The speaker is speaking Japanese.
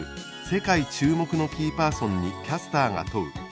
「世界注目のキーパーソンにキャスターが問う！